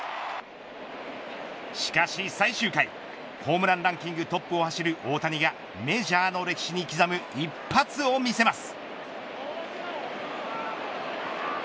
しかし最終回ホームランランキングトップを走る大谷がメジャーの歴史に刻む一発を見せます。